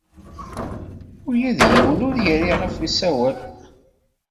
Ula d yiwen ur yerri ɣef usawal.